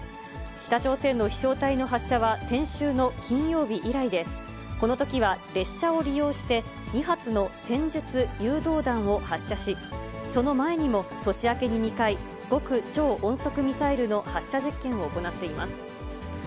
北朝鮮の飛しょう体の発射は先週の金曜日以来で、このときは列車を利用して、２発の戦術誘導弾を発射し、その前にも年明けに２回、極超音速ミサイルの発射実験を行っています。